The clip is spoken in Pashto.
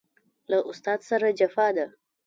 له استاد سره جفا ده